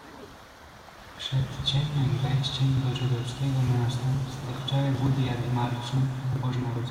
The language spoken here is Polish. "Przed ciemnem wejściem do żydowskiego miasta sterczały budy jarmarczne na Boże Narodzenie."